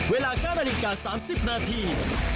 เวลาก้าวแต่ละริกา๓๐นาที